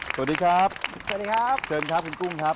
สวัสดีครับเชิญครับคุณกุ้งครับ